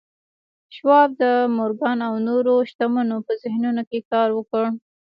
شواب د مورګان او نورو شتمنو په ذهنونو کې کار وکړ